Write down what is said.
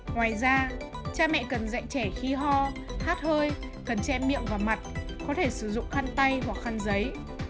ngoài ra cha mẹ cần dạy trẻ khi ho hát hơi cần che miệng và mặt có thể sử dụng khăn tay hoặc khăn giấy